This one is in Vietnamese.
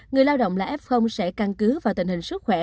người lao động là f sẽ căn cứ vào tình hình sức khỏe